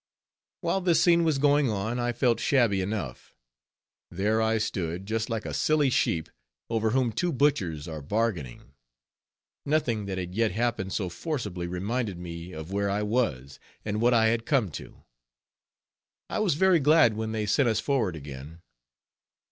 While this scene was going on, I felt shabby enough; there I stood, just like a silly sheep, over whom two butchers are bargaining. Nothing that had yet happened so forcibly reminded me of where I was, and what I had come to. I was very glad when they sent us forward again.